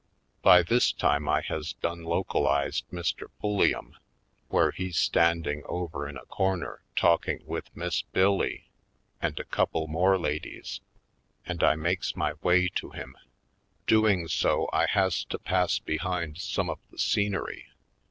By this time I has done localized Mr. Movie Land 127 Pulliam where he's standing over in a cor ner talking with Miss Bill Lee and a couple more ladies, and I makes my way to him. Doing so, I has to pass behind some of the scenery.